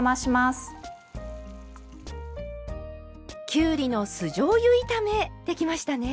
きゅうりの酢じょうゆ炒めできましたね。